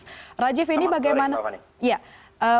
selamat sore pak fani